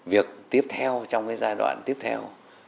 việc tiếp theo trong giai đoạn tiếp theo